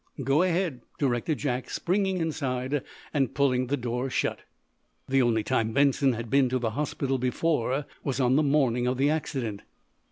"Go ahead," directed Jack, springing inside and pulling the door shut. The only time Benson had been to the hospital before was on the morning of the accident.